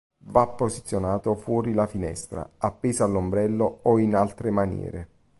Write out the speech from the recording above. Va posizionato fuori la finestra, appeso all'ombrello o in altre maniere.